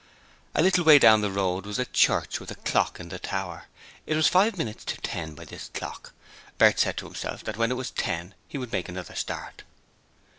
A little way down the road was a church with a clock in the tower. It was five minutes to ten by this clock. Bert said to himself that when it was ten he would make another start.